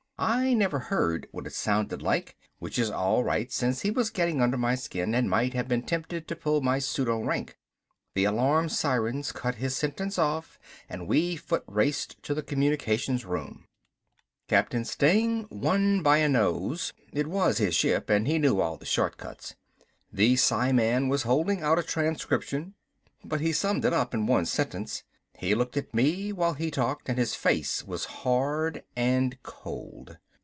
I never heard what it sounded like, which is all right since he was getting under my skin and might have been tempted to pull my pseudo rank. The alarm sirens cut his sentence off and we foot raced to the communications room. Captain Steng won by a nose, it was his ship and he knew all the shortcuts. The psiman was holding out a transcription, but he summed it up in one sentence. He looked at me while he talked and his face was hard and cold.